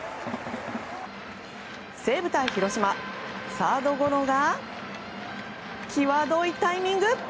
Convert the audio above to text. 西武対広島、サードゴロが際どいタイミング！